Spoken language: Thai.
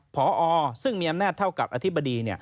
พอซึ่งมีอำนาจเท่ากับอธิบดี